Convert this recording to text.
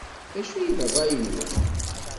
D acu i d rray-nwen?